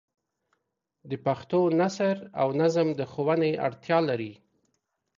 د پښتو نثر او نظم د ښوونې اړتیا لري.